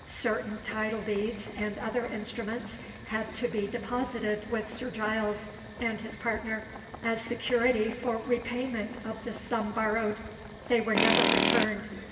Certain title deeds and other instruments had to be deposited with Sir Giles and his partner, as security for repayment of the sum borrowed. They were never returned.